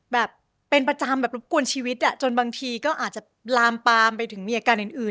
แบบเป็นประจำแบบรบกวนชีวิตอ่ะจนบางทีก็อาจจะลามปามไปถึงมีอาการอื่น